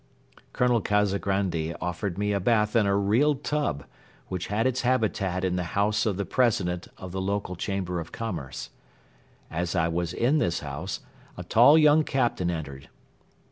Colonel Kazagrandi offered me a bath in a real tub, which had its habitat in the house of the president of the local Chamber of Commerce. As I was in this house, a tall young captain entered.